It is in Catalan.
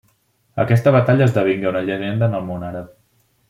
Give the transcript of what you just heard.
Aquesta batalla esdevingué una llegenda en el món àrab.